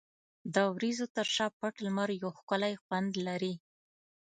د وریځو تر شا پټ لمر یو ښکلی خوند لري.